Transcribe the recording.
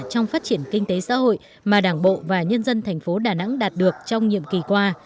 trong phát triển kinh tế xã hội mà đảng bộ và nhân dân thành phố đà nẵng đạt được trong nhiệm kỳ qua